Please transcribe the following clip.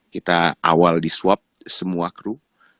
kita awal di swab semua kru